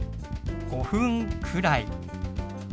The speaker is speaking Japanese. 「５分くらい」。